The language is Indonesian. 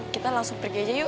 kita langsung pergi aja yuk